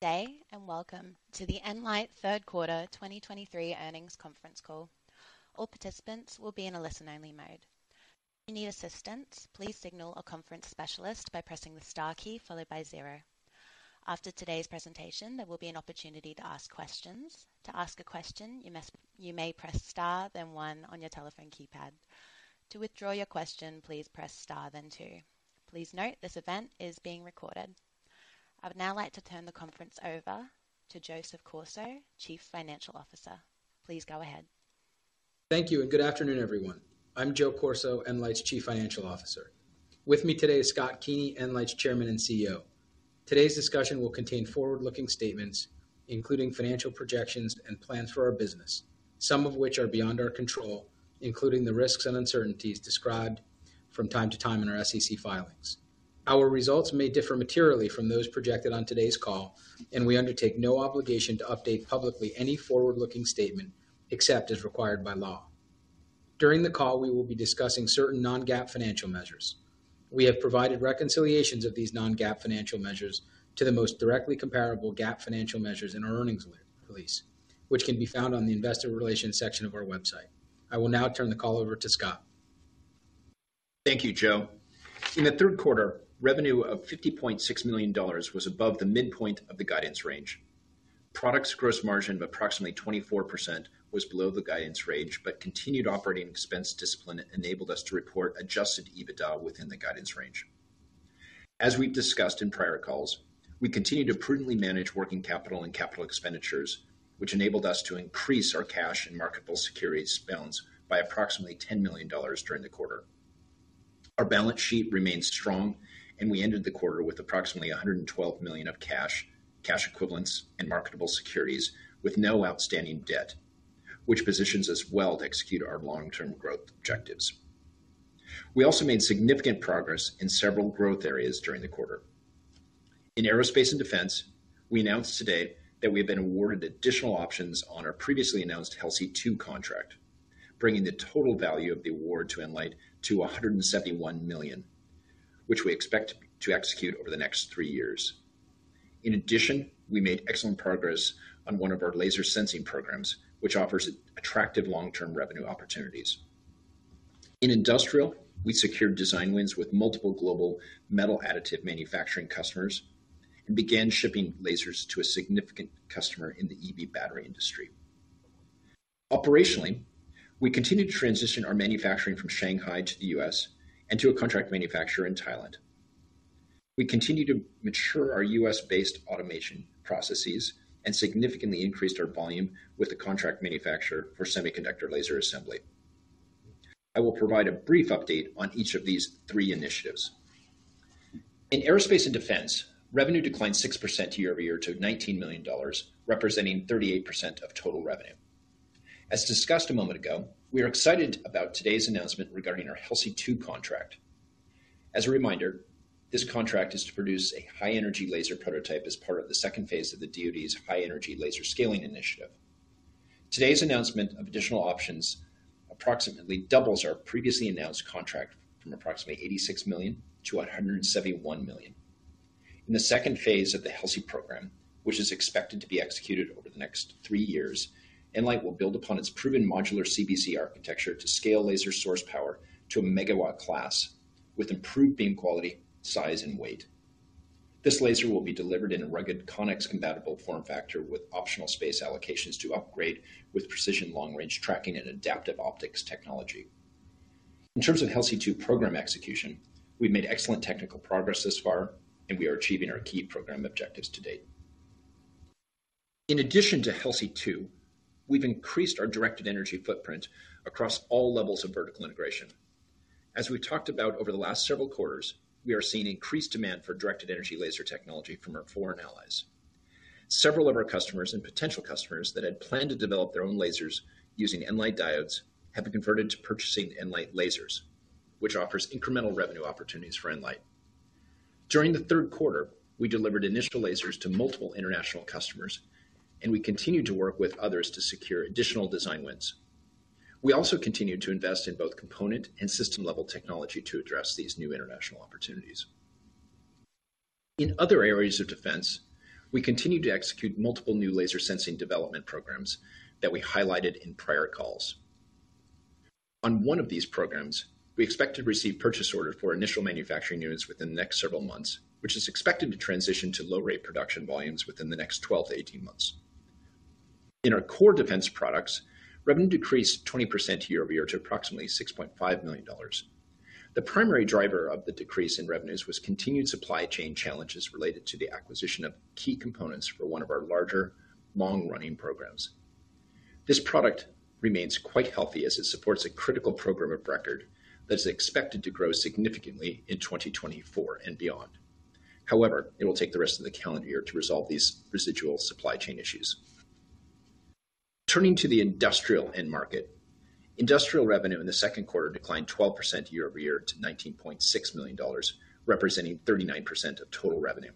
Good day, and welcome to the nLIGHT Third Quarter 2023 Earnings Conference Call. All participants will be in a listen-only mode. If you need assistance, please signal a conference specialist by pressing the star key followed by 0. After today's presentation, there will be an opportunity to ask questions. To ask a question, you may press Star, then 1 on your telephone keypad. To withdraw your question, please press Star, then 2. Please note, this event is being recorded. I would now like to turn the conference over to Joseph Corso, Chief Financial Officer. Please go ahead. Thank you, and good afternoon, everyone. I'm Joe Corso, nLIGHT's Chief Financial Officer. With me today is Scott Keeney, nLIGHT's Chairman and CEO. Today's discussion will contain forward-looking statements, including financial projections and plans for our business, some of which are beyond our control, including the risks and uncertainties described from time to time in our SEC filings. Our results may differ materially from those projected on today's call, and we undertake no obligation to update publicly any forward-looking statement, except as required by law. During the call, we will be discussing certain non-GAAP financial measures. We have provided reconciliations of these non-GAAP financial measures to the most directly comparable GAAP financial measures in our earnings release, which can be found on the investor relations section of our website. I will now turn the call over to Scott. Thank you, Joe. In the third quarter, revenue of $50.6 million was above the midpoint of the guidance range. Products gross margin of approximately 24% was below the guidance range, but continued operating expense discipline enabled us to report Adjusted EBITDA within the guidance range. As we've discussed in prior calls, we continue to prudently manage working capital and capital expenditures, which enabled us to increase our cash and marketable securities balance by approximately $10 million during the quarter. Our balance sheet remains strong and we ended the quarter with approximately $112 million of cash, cash equivalents, and marketable securities, with no outstanding debt, which positions us well to execute our long-term growth objectives. We also made significant progress in several growth areas during the quarter. In aerospace and defense, we announced today that we have been awarded additional options on our previously announced HELSI-2 contract, bringing the total value of the award to nLIGHT to $171 million, which we expect to execute over the next three years. In addition, we made excellent progress on one of our laser sensing programs, which offers attractive long-term revenue opportunities. In industrial, we secured design wins with multiple global metal additive manufacturing customers and began shipping lasers to a significant customer in the EV battery industry. Operationally, we continued to transition our manufacturing from Shanghai to the U.S. and to a contract manufacturer in Thailand. We continue to mature our U.S.-based automation processes and significantly increased our volume with the contract manufacturer for semiconductor laser assembly. I will provide a brief update on each of these three initiatives. In aerospace and defense, revenue declined 6% year-over-year to $19 million, representing 38% of total revenue. As discussed a moment ago, we are excited about today's announcement regarding our HELSI-2 contract. As a reminder, this contract is to produce a high-energy laser prototype as part of the second phase of the DoD's High Energy Laser Scaling Initiative. Today's announcement of additional options approximately doubles our previously announced contract from approximately $86 million- $171 million. In the second phase of the HELSI program, which is expected to be executed over the next three years, nLIGHT will build upon its proven modular CBC architecture to scale laser source power to a megawatt class with improved beam quality, size, and weight. This laser will be delivered in a rugged CONNEX-compatible form factor with optional space allocations to upgrade with precision long-range tracking and adaptive optics technology. In terms of HELSI-2 program execution, we've made excellent technical progress thus far, and we are achieving our key program objectives to date. In addition to HELSI-2, we've increased our directed energy footprint across all levels of vertical integration. As we talked about over the last several quarters, we are seeing increased demand for directed energy laser technology from our foreign allies. Several of our customers and potential customers that had planned to develop their own lasers using nLIGHT diodes have been converted to purchasing nLIGHT lasers, which offers incremental revenue opportunities for nLIGHT. During the third quarter, we delivered initial lasers to multiple international customers, and we continued to work with others to secure additional design wins. We also continued to invest in both component and system-level technology to address these new international opportunities. In other areas of defense, we continued to execute multiple new laser sensing development programs that we highlighted in prior calls. On one of these programs, we expect to receive purchase orders for initial manufacturing units within the next several months, which is expected to transition to low-rate production volumes within the next 12-18 months. In our core defense products, revenue decreased 20% year-over-year to approximately $6.5 million. The primary driver of the decrease in revenues was continued supply chain challenges related to the acquisition of key components for one of our larger, long-running programs. This product remains quite healthy as it supports a critical program of record that is expected to grow significantly in 2024 and beyond. However, it will take the rest of the calendar year to resolve these residual supply chain issues. Turning to the industrial end market. Industrial revenue in the second quarter declined 12% year over year to $19.6 million, representing 39% of total revenue.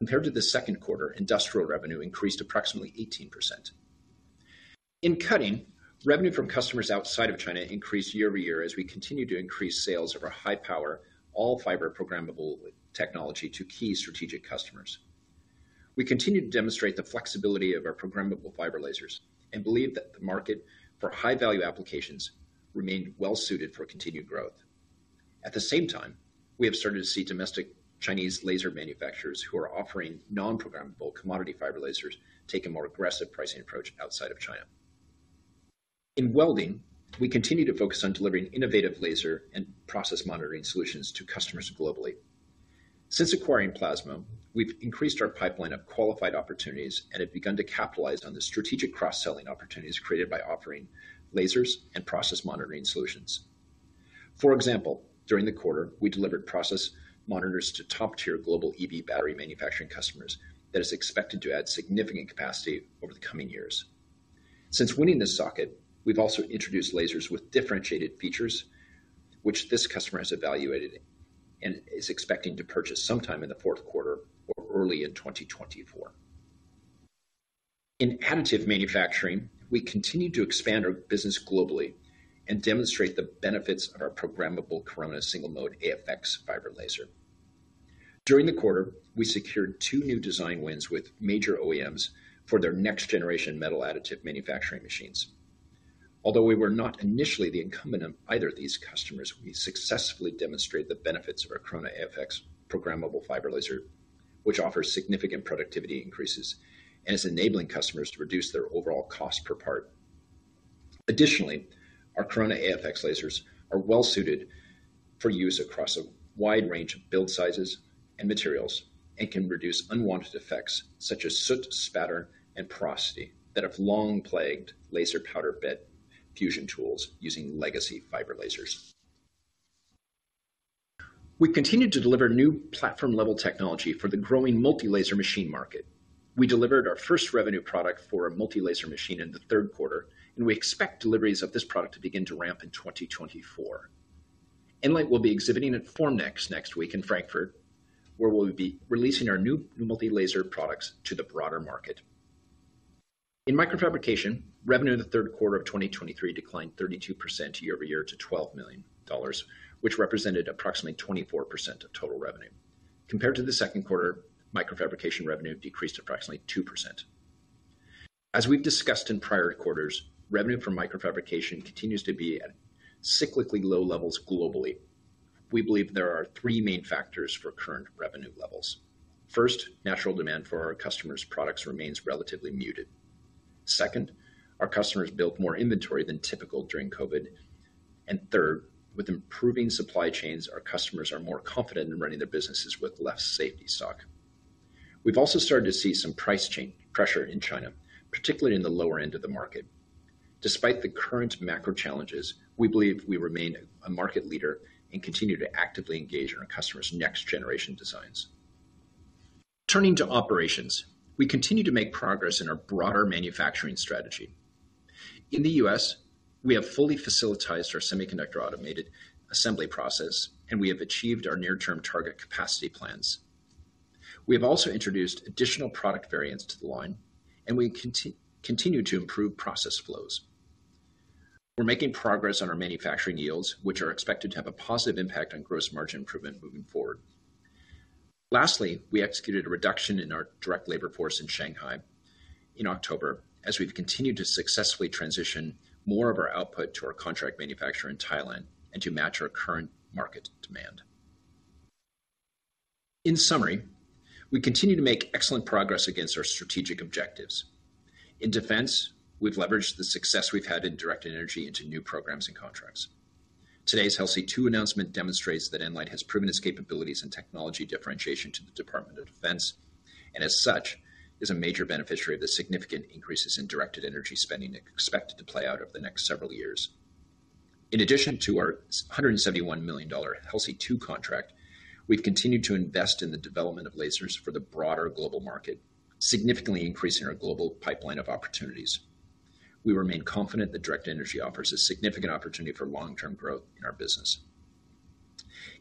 Compared to the second quarter, industrial revenue increased approximately 18%.... In cutting, revenue from customers outside of China increased year over year as we continued to increase sales of our high-power, all-fiber programmable technology to key strategic customers. We continued to demonstrate the flexibility of our programmable fiber lasers and believe that the market for high-value applications remained well suited for continued growth. At the same time, we have started to see domestic Chinese laser manufacturers who are offering non-programmable commodity fiber lasers take a more aggressive pricing approach outside of China. In welding, we continue to focus on delivering innovative laser and process monitoring solutions to customers globally. Since acquiring Plasmo, we've increased our pipeline of qualified opportunities and have begun to capitalize on the strategic cross-selling opportunities created by offering lasers and process monitoring solutions. For example, during the quarter, we delivered process monitors to top-tier global EV battery manufacturing customers that is expected to add significant capacity over the coming years. Since winning this socket, we've also introduced lasers with differentiated features, which this customer has evaluated and is expecting to purchase sometime in the fourth quarter or early in 2024. In additive manufacturing, we continued to expand our business globally and demonstrate the benefits of our programmable Corona, single mode, AFX fiber laser. During the quarter, we secured two new design wins with major OEMs for their next generation metal additive manufacturing machines. Although we were not initially the incumbent of either of these customers, we successfully demonstrated the benefits of our Corona AFX programmable fiber laser, which offers significant productivity increases and is enabling customers to reduce their overall cost per part. Additionally, our Corona AFX lasers are well suited for use across a wide range of build sizes and materials, and can reduce unwanted effects such as soot, spatter, and porosity that have long plagued laser powder bed fusion tools using legacy fiber lasers. We continued to deliver new platform-level technology for the growing multi-laser machine market. We delivered our first revenue product for a multi-laser machine in the third quarter, and we expect deliveries of this product to begin to ramp in 2024. nLIGHT will be exhibiting at Formnext next week in Frankfurt, where we'll be releasing our new multi-laser products to the broader market. In microfabrication, revenue in the third quarter of 2023 declined 32% year-over-year to $12 million, which represented approximately 24% of total revenue. Compared to the second quarter, microfabrication revenue decreased approximately 2%. As we've discussed in prior quarters, revenue from microfabrication continues to be at cyclically low levels globally. We believe there are three main factors for current revenue levels. First, natural demand for our customers' products remains relatively muted. Second, our customers built more inventory than typical during COVID. And third, with improving supply chains, our customers are more confident in running their businesses with less safety stock. We've also started to see some price change pressure in China, particularly in the lower end of the market. Despite the current macro challenges, we believe we remain a market leader and continue to actively engage in our customers' next generation designs. Turning to operations, we continue to make progress in our broader manufacturing strategy. In the U.S., we have fully facilitized our semiconductor automated assembly process, and we have achieved our near-term target capacity plans. We have also introduced additional product variants to the line, and we continue to improve process flows. We're making progress on our manufacturing yields, which are expected to have a positive impact on gross margin improvement moving forward. Lastly, we executed a reduction in our direct labor force in Shanghai in October, as we've continued to successfully transition more of our output to our contract manufacturer in Thailand and to match our current market demand. In summary, we continue to make excellent progress against our strategic objectives. In defense, we've leveraged the success we've had in directed energy into new programs and contracts. Today's HELSI-2 announcement demonstrates that nLIGHT has proven its capabilities and technology differentiation to the Department of Defense, and as such, is a major beneficiary of the significant increases in directed energy spending expected to play out over the next several years. In addition to our $171 million HELSI-2 contract, we've continued to invest in the development of lasers for the broader global market, significantly increasing our global pipeline of opportunities. We remain confident that directed energy offers a significant opportunity for long-term growth in our business.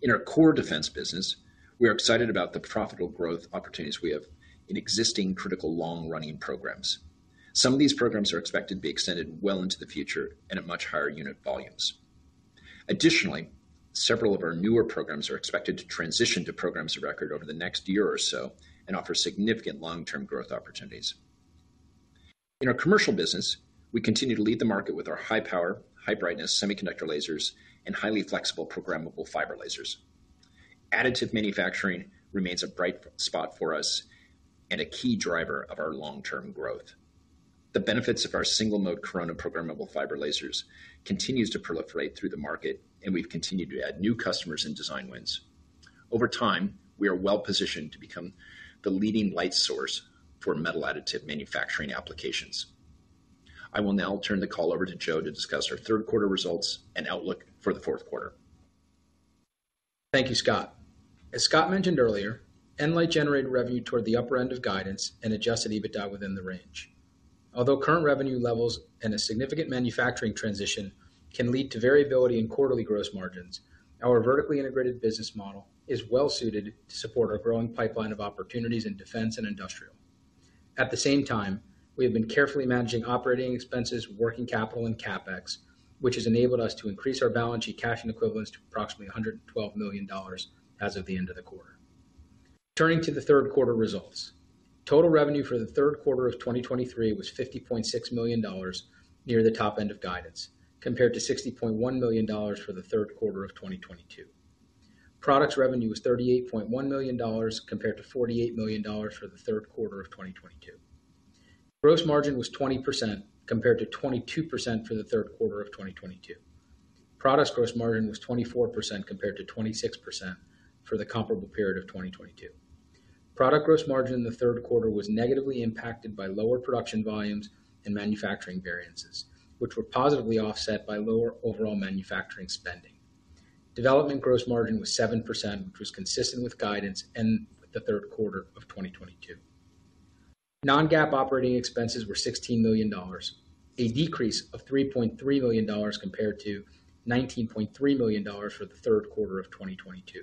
In our core defense business, we are excited about the profitable growth opportunities we have in existing critical, long-running programs. Some of these programs are expected to be extended well into the future and at much higher unit volumes. Additionally, several of our newer programs are expected to transition to programs of record over the next year or so and offer significant long-term growth opportunities. In our commercial business, we continue to lead the market with our high-power, high-brightness semiconductor lasers, and highly flexible programmable fiber lasers. Additive manufacturing remains a bright spot for us and a key driver of our long-term growth. The benefits of our single-mode Corona programmable fiber lasers continues to proliferate through the market, and we've continued to add new customers and design wins. Over time, we are well positioned to become the leading light source for metal additive manufacturing applications. I will now turn the call over to Joe to discuss our third quarter results and outlook for the fourth quarter. Thank you, Scott. As Scott mentioned earlier, nLIGHT generated revenue toward the upper end of guidance and adjusted EBITDA within the range. Although current revenue levels and a significant manufacturing transition can lead to variability in quarterly gross margins, our vertically integrated business model is well suited to support our growing pipeline of opportunities in defense and industrial. At the same time, we have been carefully managing operating expenses, working capital, and CapEx, which has enabled us to increase our balance sheet cash and equivalents to approximately $112 million as of the end of the quarter. Turning to the third quarter results. Total revenue for the third quarter of 2023 was $50.6 million, near the top end of guidance, compared to $60.1 million for the third quarter of 2022. Products revenue was $38.1 million, compared to $48 million for the third quarter of 2022. Gross margin was 20%, compared to 22% for the third quarter of 2022. Products gross margin was 24%, compared to 26% for the comparable period of 2022. Product gross margin in the third quarter was negatively impacted by lower production volumes and manufacturing variances, which were positively offset by lower overall manufacturing spending. Development gross margin was 7%, which was consistent with guidance in the third quarter of 2022. Non-GAAP operating expenses were $16 million, a decrease of $3.3 million compared to $19.3 million for the third quarter of 2022.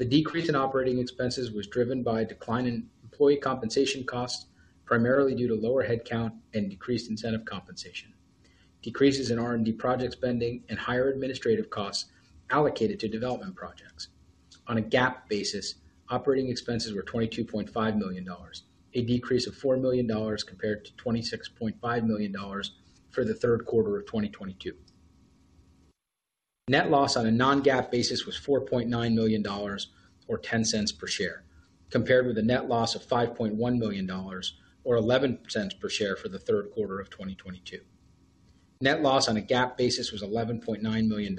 The decrease in operating expenses was driven by a decline in employee compensation costs, primarily due to lower headcount and decreased incentive compensation, decreases in R&D project spending, and higher administrative costs allocated to development projects. On a GAAP basis, operating expenses were $22.5 million, a decrease of $4 million compared to $26.5 million for the third quarter of 2022. Net loss on a non-GAAP basis was $4.9 million, or $0.10 per share, compared with a net loss of $5.1 million or $0.11 per share for the third quarter of 2022. Net loss on a GAAP basis was $11.9 million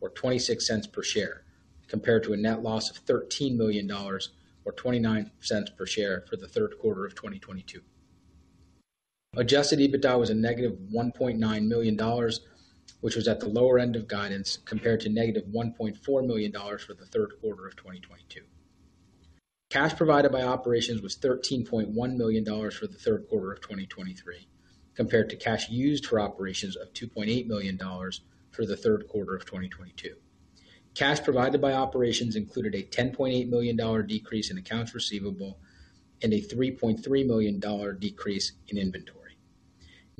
or $0.26 per share, compared to a net loss of $13 million or $0.29 per share for the third quarter of 2022. Adjusted EBITDA was -$1.9 million, which was at the lower end of guidance, compared to -$1.4 million for the third quarter of 2022. Cash provided by operations was $13.1 million for the third quarter of 2023, compared to cash used for operations of $2.8 million for the third quarter of 2022. Cash provided by operations included a $10.8 million decrease in accounts receivable and a $3.3 million decrease in inventory.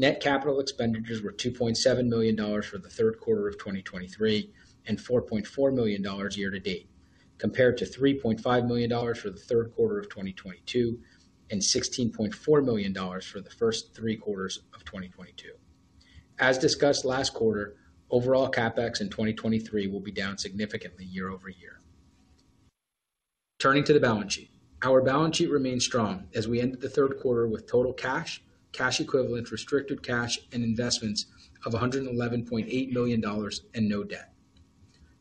Net capital expenditures were $2.7 million for the third quarter of 2023 and $4.4 million year to date, compared to $3.5 million for the third quarter of 2022 and $16.4 million for the first three quarters of 2022. As discussed last quarter, overall CapEx in 2023 will be down significantly year over year. Turning to the balance sheet. Our balance sheet remains strong as we end the third quarter with total cash, cash equivalents, restricted cash and investments of $111.8 million and no debt.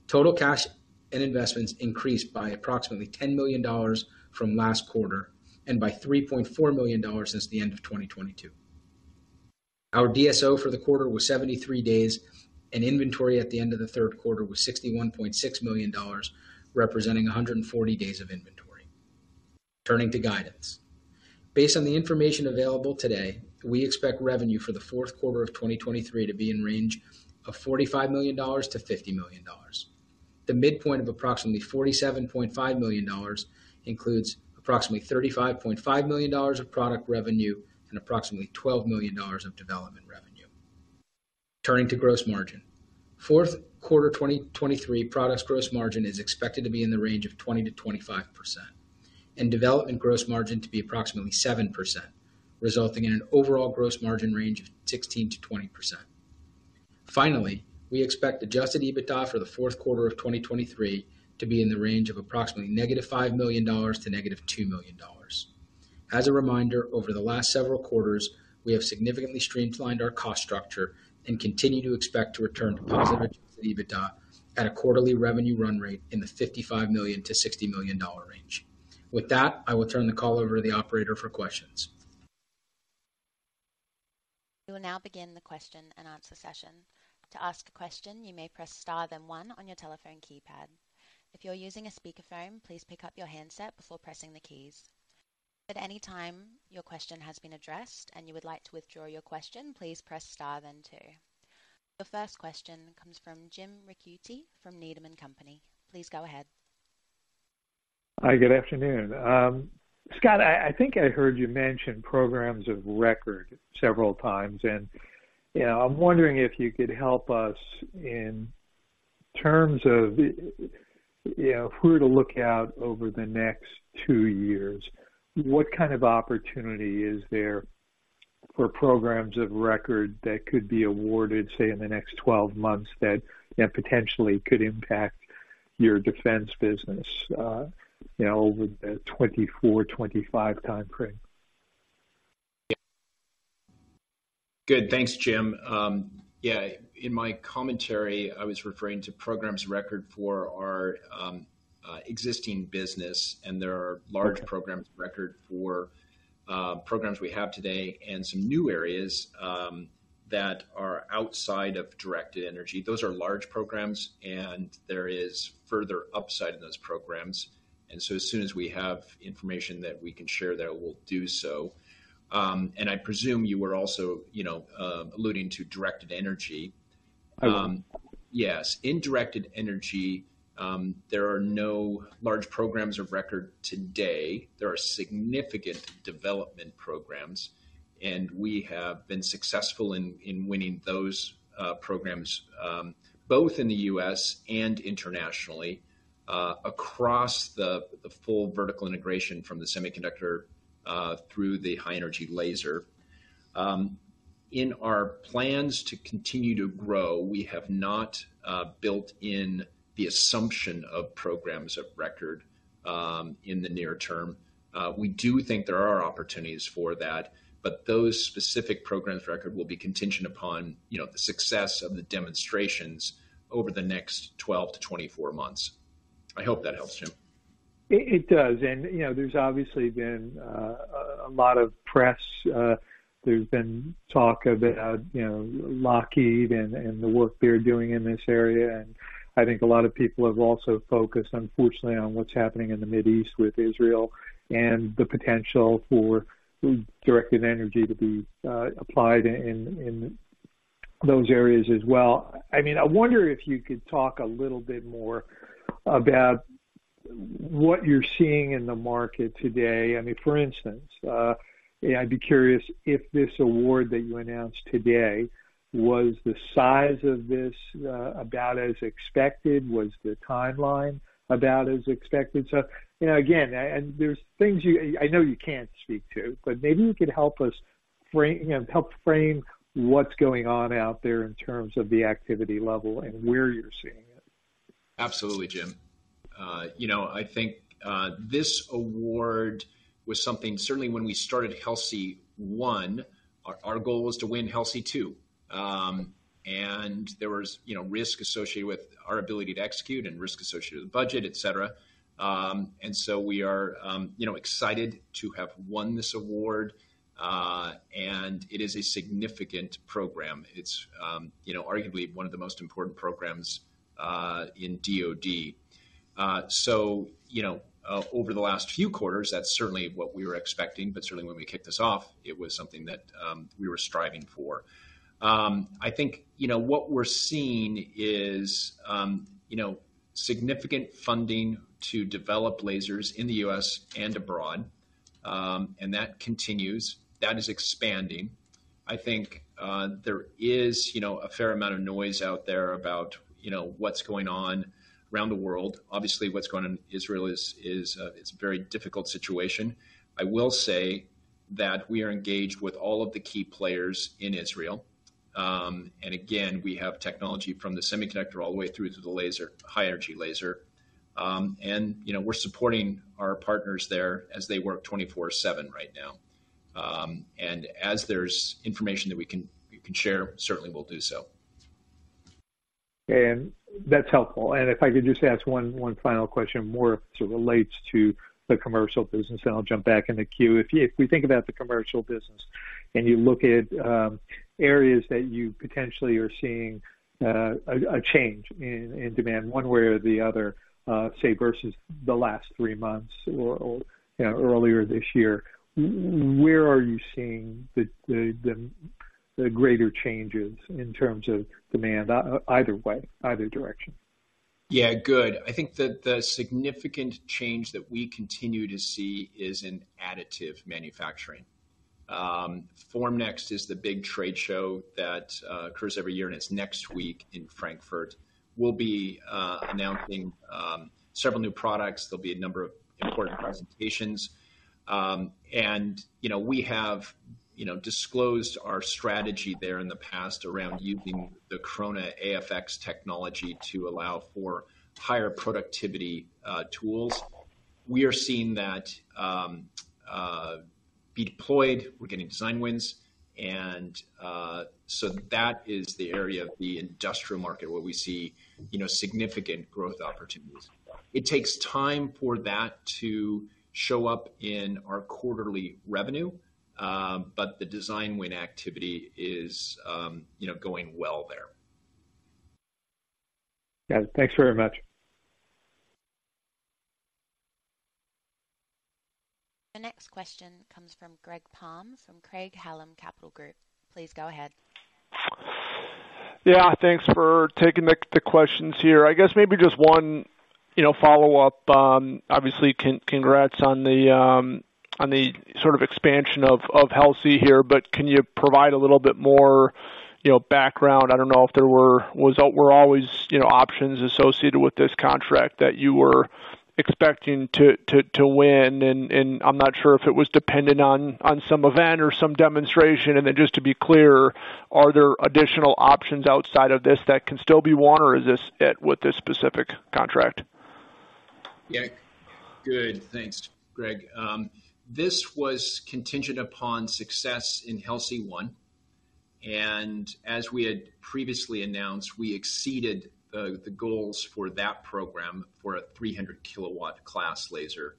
Total cash and investments increased by approximately $10 million from last quarter and by $3.4 million since the end of 2022. Our DSO for the quarter was 73 days, and inventory at the end of the third quarter was $61.6 million, representing 140 days of inventory. Turning to guidance. Based on the information available today, we expect revenue for the fourth quarter of 2023 to be in range of $45 million-$50 million. The midpoint of approximately $47.5 million includes approximately $35.5 million of product revenue and approximately $12 million of development revenue. Turning to gross margin. Fourth quarter 2023 products gross margin is expected to be in the range of 20%-25%, and development gross margin to be approximately 7%, resulting in an overall gross margin range of 16%-20%. Finally, we expect Adjusted EBITDA for the fourth quarter of 2023 to be in the range of approximately -$5 million to -$2 million. As a reminder, over the last several quarters, we have significantly streamlined our cost structure and continue to expect to return to positive EBITDA at a quarterly revenue run rate in the $55 million-$60 million range. With that, I will turn the call over to the operator for questions. We will now begin the question and answer session. To ask a question, you may press Star, then one on your telephone keypad. If you're using a speakerphone, please pick up your handset before pressing the keys. At any time, your question has been addressed, and you would like to withdraw your question, please press Star then two. The first question comes from Jim Ricchiuti from Needham & Company. Please go ahead. Hi, good afternoon. Scott, I think I heard you mention programs of record several times, and, you know, I'm wondering if you could help us in terms of, you know, who to look out over the next two years. What kind of opportunity is there for programs of record that could be awarded, say, in the next twelve months, that potentially could impact your defense business, you know, over the 2024, 2025 time frame? Good. Thanks, Jim. Yeah, in my commentary, I was referring to programs of record for our existing business, and there are large programs of record for programs we have today and some new areas that are outside of directed energy. Those are large programs, and there is further upside in those programs. And so as soon as we have information that we can share there, we'll do so. And I presume you were also, you know, alluding to directed energy?... Yes, in Directed Energy, there are no large programs of record today. There are significant development programs, and we have been successful in winning those programs both in the U.S. and internationally across the full vertical integration from the semiconductor through the high-energy laser. In our plans to continue to grow, we have not built in the assumption of programs of record in the near term. We do think there are opportunities for that, but those specific programs of record will be contingent upon, you know, the success of the demonstrations over the next 12-24 months. I hope that helps, Jim. It does. And, you know, there's obviously been a lot of press. There's been talk about, you know, Lockheed and the work they're doing in this area. And I think a lot of people have also focused, unfortunately, on what's happening in the Middle East with Israel and the potential for directed energy to be applied in those areas as well. I mean, I wonder if you could talk a little bit more about what you're seeing in the market today. I mean, for instance, I'd be curious if this award that you announced today was the size of this about as expected? Was the timeline about as expected? So, you know, again, and there's things you, I know you can't speak to, but maybe you can help us frame, you know, help frame what's going on out there in terms of the activity level and where you're seeing it. Absolutely, Jim. You know, I think, this award was something... Certainly when we started HELSI, our goal was to win HELSI II. And there was, you know, risk associated with our ability to execute and risk associated with budget, et cetera. And so we are, you know, excited to have won this award, and it is a significant program. It's, you know, arguably one of the most important programs, in DoD. So, you know, over the last few quarters, that's certainly what we were expecting, but certainly when we kicked this off, it was something that, we were striving for. I think, you know, what we're seeing is, you know, significant funding to develop lasers in the U.S. and abroad. And that continues. That is expanding. I think, there is, you know, a fair amount of noise out there about, you know, what's going on around the world. Obviously, what's going on in Israel is a very difficult situation. I will say that we are engaged with all of the key players in Israel. And again, we have technology from the semiconductor all the way through to the laser, high energy laser. And, you know, we're supporting our partners there as they work 24/7 right now. And as there's information that we can share, certainly we'll do so. And that's helpful. And if I could just ask one final question, more sort of relates to the commercial business, and I'll jump back in the queue. If we think about the commercial business and you look at areas that you potentially are seeing a change in demand one way or the other, say, versus the last three months or you know, earlier this year, where are you seeing the greater changes in terms of demand, either way, either direction? Yeah, good. I think that the significant change that we continue to see is in additive manufacturing. Formnext is the big trade show that occurs every year, and it's next week in Frankfurt. We'll be announcing several new products. There'll be a number of important presentations. You know, we have disclosed our strategy there in the past around using the Corona AFX technology to allow for higher productivity tools. We are seeing that be deployed. We're getting design wins, and so that is the area of the industrial market where we see, you know, significant growth opportunities. It takes time for that to show up in our quarterly revenue, but the design win activity is, you know, going well there. Got it. Thanks very much. The next question comes from Greg Palm from Craig-Hallum Capital Group. Please go ahead. Yeah, thanks for taking the questions here. I guess maybe just one, you know, follow-up. Obviously, congrats on the sort of expansion of HELSI here, but can you provide a little bit more, you know, background? I don't know if there were always, you know, options associated with this contract that you were expecting to win, and I'm not sure if it was dependent on some event or some demonstration. And then just to be clear, are there additional options outside of this that can still be won, or is this it with this specific contract? Yeah. Good. Thanks, Greg. This was contingent upon success in HELSI, and as we had previously announced, we exceeded the goals for that program for a 300-kilowatt class laser.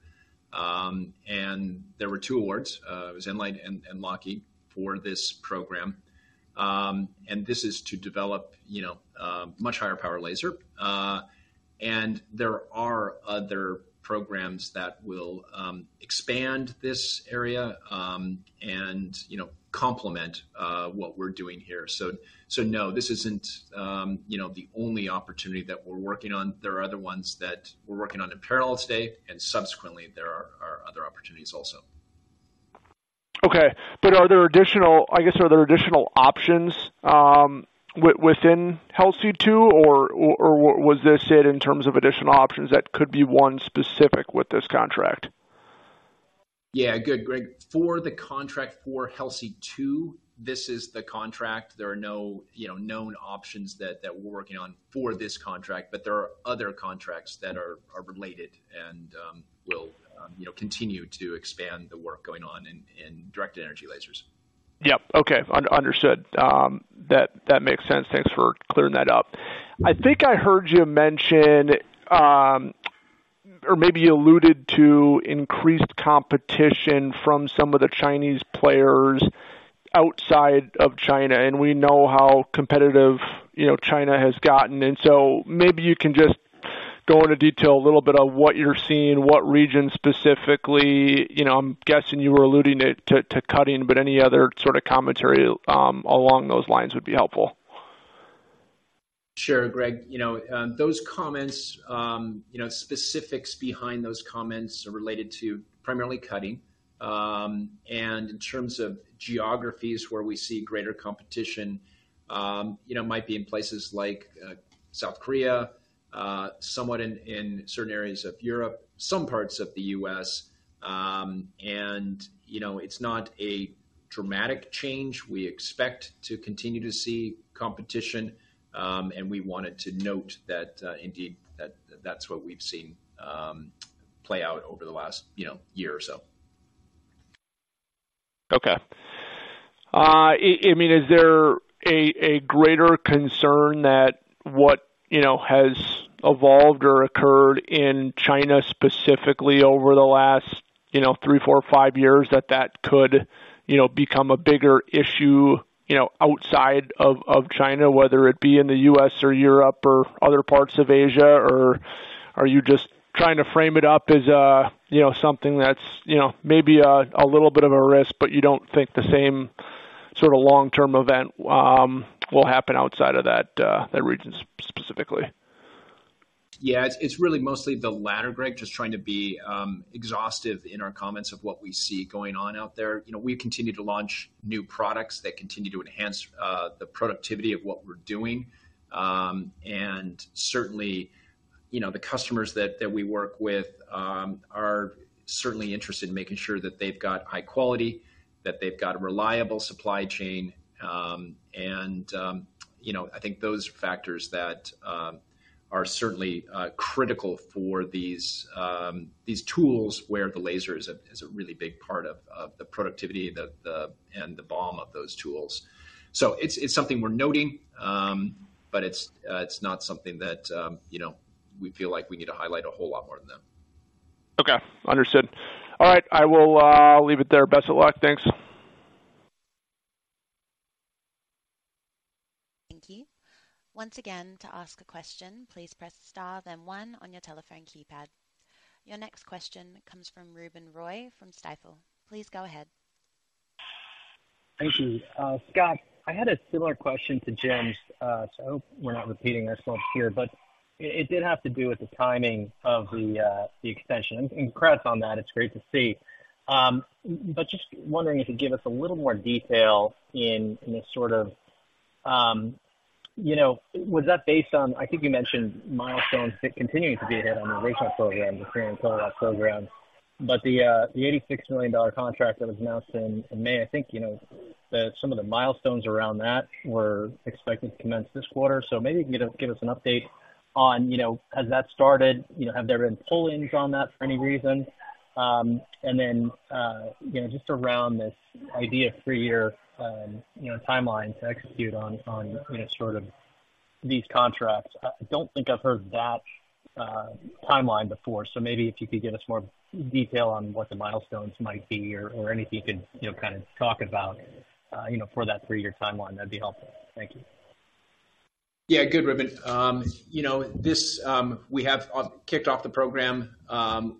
And there were two awards, it was nLIGHT and Lockheed for this program. And this is to develop, you know, a much higher power laser. And there are other programs that will expand this area, and, you know, complement what we're doing here. So, no, this isn't, you know, the only opportunity that we're working on. There are other ones that we're working on in parallel today, and subsequently, there are other opportunities also. Okay. But are there additional, I guess, are there additional options within HELSI-2 or, or, was this it in terms of additional options that could be one specific with this contract? Yeah, good, Greg. For the contract for HELSI-2, this is the contract. There are no, you know, known options that we're working on for this contract, but there are other contracts that are related and will, you know, continue to expand the work going on in directed energy lasers. Yep. Okay, understood. That makes sense. Thanks for clearing that up. I think I heard you mention, or maybe you alluded to increased competition from some of the Chinese players outside of China, and we know how competitive, you know, China has gotten. So maybe you can just go into detail a little bit of what you're seeing, what regions specifically. You know, I'm guessing you were alluding it to, to cutting, but any other sort of commentary along those lines would be helpful. Sure, Greg. You know, those comments, you know, specifics behind those comments are related to primarily cutting. In terms of geographies, where we see greater competition, you know, might be in places like, South Korea, somewhat in certain areas of Europe, some parts of the U.S. You know, it's not a dramatic change. We expect to continue to see competition, and we wanted to note that, indeed, that, that's what we've seen, play out over the last, you know, year or so. Okay. I mean, is there a greater concern than what, you know, has evolved or occurred in China specifically over the last, you know, three, four, five years, that that could, you know, become a bigger issue, you know, outside of China, whether it be in the U.S. or Europe or other parts of Asia? Or are you just trying to frame it up as a, you know, something that's, you know, maybe a little bit of a risk, but you don't think the same sort of long-term event will happen outside of that region specifically? Yeah, it's really mostly the latter, Greg. Just trying to be exhaustive in our comments of what we see going on out there. You know, we continue to launch new products that continue to enhance the productivity of what we're doing. And certainly, you know, the customers that we work with are certainly interested in making sure that they've got high quality, that they've got a reliable supply chain. And you know, I think those are factors that are certainly critical for these tools, where the laser is a really big part of the productivity and the beam of those tools. So it's something we're noting, but it's not something that you know, we feel like we need to highlight a whole lot more than that. Okay, understood. All right, I will leave it there. Best of luck. Thanks. Thank you. Once again, to ask a question, please press Star, then one on your telephone keypad. Your next question comes from Ruben Roy from Stifel. Please go ahead. Thank you. Scott, I had a similar question to Jim's, so I hope we're not repeating ourselves here. But it did have to do with the timing of the extension. And congrats on that, it's great to see. But just wondering if you could give us a little more detail in the sort of... You know, was that based on, I think you mentioned milestones continuing to be ahead on the [unaudible] program, but the $86 million contract that was announced in May, I think, you know, some of the milestones around that were expected to commence this quarter. So maybe you can give us an update on, you know, has that started? You know, have there been pull-ins on that for any reason? And then, you know, just around this idea of 3-year, you know, timeline to execute on, on, you know, sort of these contracts. I don't think I've heard that timeline before. So maybe if you could give us more detail on what the milestones might be or, or anything you could, you know, kind of talk about, you know, for that 3-year timeline, that'd be helpful. Thank you. Yeah, good, Ruben. You know, this, we have kicked off the program.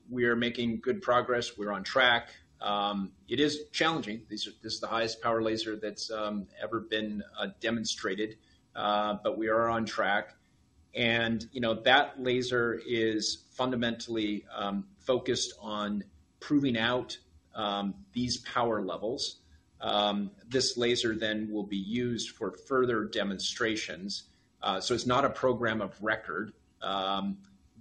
We are making good progress. We're on track. It is challenging. These are... This is the highest power laser that's ever been demonstrated, but we are on track. And, you know, that laser is fundamentally focused on proving out these power levels. This laser then will be used for further demonstrations. So it's not a program of record.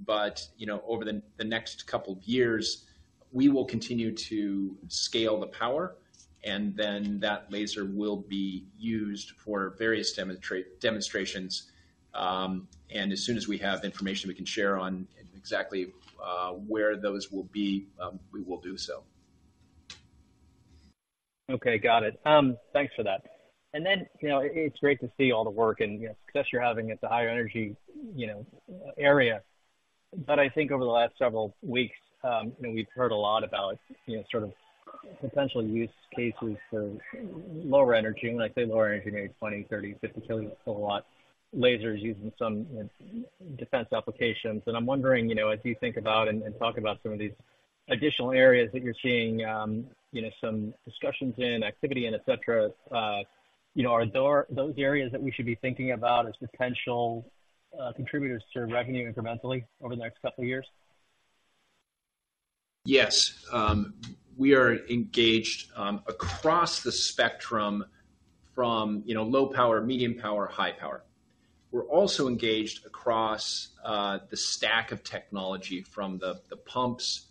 But, you know, over the next couple of years, we will continue to scale the power, and then that laser will be used for various demonstrations. And as soon as we have information we can share on exactly where those will be, we will do so. Okay, got it. Thanks for that. And then, you know, it's great to see all the work and, you know, success you're having at the higher energy, you know, area. But I think over the last several weeks, you know, we've heard a lot about, you know, potential use cases for lower energy, when I say lower energy, I mean, 20, 30, 50 kW lasers using some defense applications. And I'm wondering, you know, as you think about and talk about some of these additional areas that you're seeing, you know, some discussions in, activity in, et cetera, you know, are there those areas that we should be thinking about as potential contributors to revenue incrementally over the next couple of years? Yes. We are engaged across the spectrum from, you know, low power, medium power, high power. We're also engaged across the stack of technology from the pumps,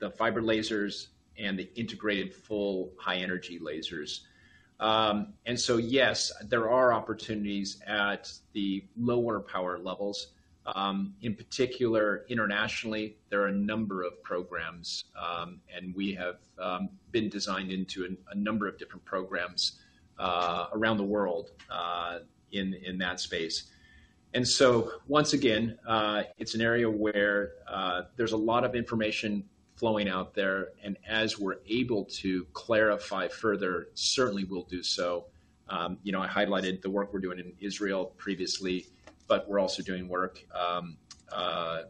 the fiber lasers, and the integrated full high energy lasers. And so, yes, there are opportunities at the lower power levels. In particular, internationally, there are a number of programs, and we have been designed into a number of different programs around the world in that space. And so once again, it's an area where there's a lot of information flowing out there, and as we're able to clarify further, certainly we'll do so. You know, I highlighted the work we're doing in Israel previously, but we're also doing work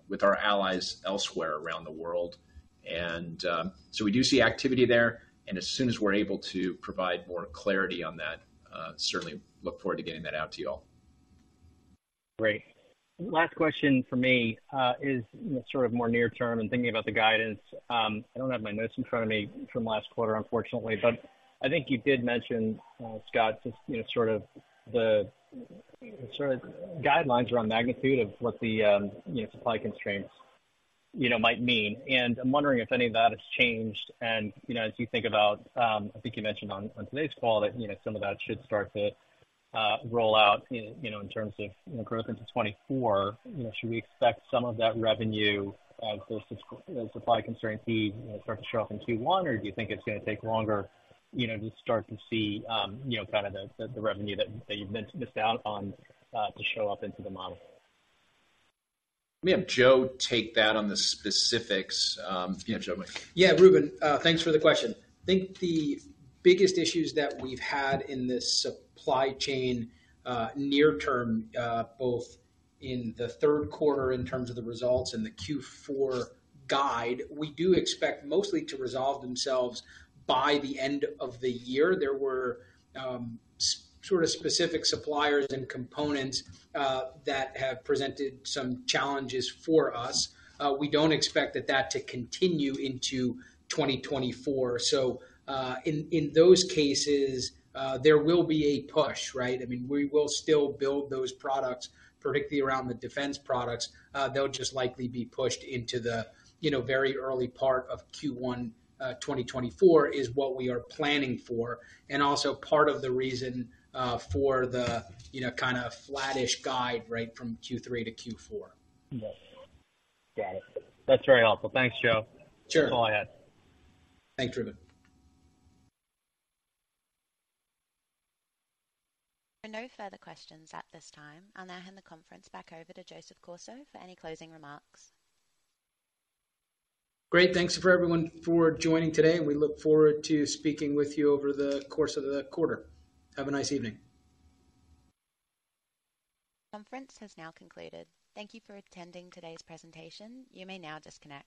with our allies elsewhere around the world. And so we do see activity there, and as soon as we're able to provide more clarity on that, certainly look forward to getting that out to you all. Great. Last question for me, is, you know, sort of more near term and thinking about the guidance. I don't have my notes in front of me from last quarter, unfortunately, but I think you did mention, Scott, just, you know, sort of the guidelines around magnitude of what the, you know, supply constraints, you know, might mean. And, you know, as you think about, I think you mentioned on today's call that, you know, some of that should start to roll out, you know, in terms of, you know, growth into 2024. You know, should we expect some of that revenue of those supply constraints to, you know, start to show up in Q1? Or do you think it's gonna take longer, you know, to start to see, you know, kind of the revenue that you've missed out on to show up into the model? Let me have Joe take that on the specifics. Yeah, Joe. Yeah, Ruben, thanks for the question. I think the biggest issues that we've had in this supply chain, near term, both in the third quarter in terms of the results and the Q4 guide, we do expect mostly to resolve themselves by the end of the year. There were, sort of specific suppliers and components, that have presented some challenges for us. We don't expect that to continue into 2024. So, in those cases, there will be a push, right? I mean, we will still build those products, particularly around the defense products. They'll just likely be pushed into the, you know, very early part of Q1, 2024, is what we are planning for, and also part of the reason, for the, you know, kind of flattish guide, right, from Q3 to Q4. Got it. That's very helpful. Thanks, Joe. Sure. Go ahead. Thanks, Ruben. No further questions at this time. I'll now hand the conference back over to Joseph Corso for any closing remarks. Great. Thanks for everyone for joining today, and we look forward to speaking with you over the course of the quarter. Have a nice evening. Conference has now concluded. Thank you for attending today's presentation. You may now disconnect.